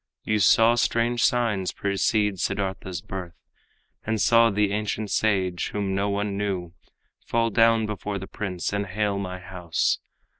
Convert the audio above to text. You saw strange signs precede Siddartha's birth, And saw the ancient sage whom no one knew Fall down before the prince, and hail my house.